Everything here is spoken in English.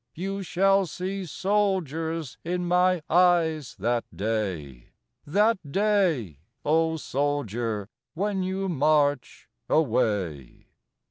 You shall see soldiers in my eyes that day That day, O soldier, when you march away.